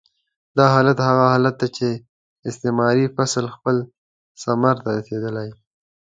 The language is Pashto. دا حالت هغه حالت دی چې استعماري فصل خپل ثمر ته رسېدلی.